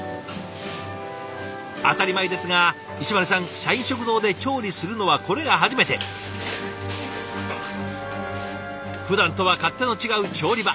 当たり前ですが石丸さん社員食堂で調理するのはこれが初めて。ふだんとは勝手の違う調理場。